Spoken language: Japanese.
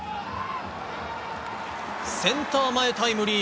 センター前タイムリー。